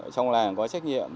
trong làng có trách nhiệm